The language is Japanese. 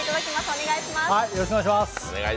お願いします。